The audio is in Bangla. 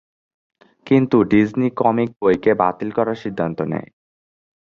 কিন্তু ডিজনি কমিক বইটিকে বাতিল করার সিদ্ধান্ত নেয়।